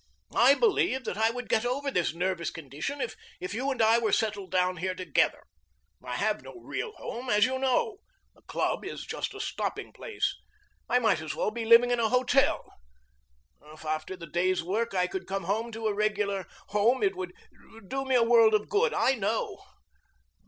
I believe that I would get over this nervous condition if you and I were settled down here together. I have no real home, as you know the club is just a stopping place. I might as well be living at a hotel. If after the day's work I could come home to a regular home it would do me a world of good, I know.